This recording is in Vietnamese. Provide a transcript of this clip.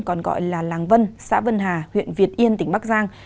còn gọi là làng vân xã vân hà huyện việt yên tỉnh bắc giang